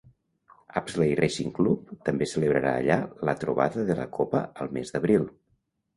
Apsley Racing Club també celebrarà allà la trobada de la copa al mes d"abril.